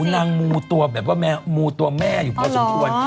มูตัวแบบว่ามูตัวแม่อยู่พอสมควร